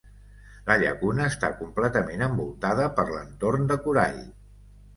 La llacuna està completament envoltada per l'entorn de corall.